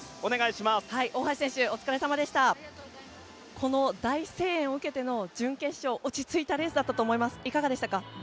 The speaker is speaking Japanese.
この大声援を受けての準決勝落ち着いたレースだったと思いますがいかがでしたか？